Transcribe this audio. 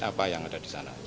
apa yang ada di sana